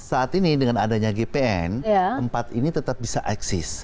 saat ini dengan adanya gpn empat ini tetap bisa eksis